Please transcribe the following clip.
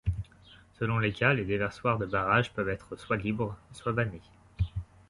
Selon les cas les déversoirs de barrages peuvent être soit libre, soit vannés.